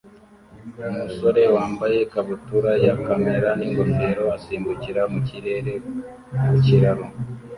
Umusore wambaye ikabutura ya kamera n'ingofero asimbukira mu kirere ku kiraro